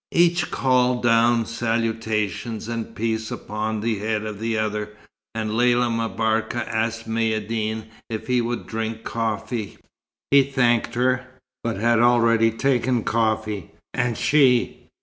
Each called down salutations and peace upon the head of the other, and Lella M'Barka asked Maïeddine if he would drink coffee. He thanked her, but had already taken coffee. And she?